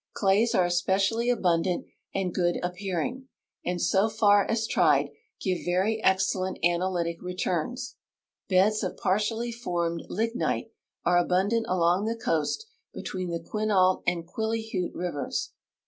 Claj^s are especially al)undant and good appearing, and, so far as tried, give very ex cellent analytic returns. Beds of partially formed lignite are abundant along the coast between the Quinault and Quill3diute rivers.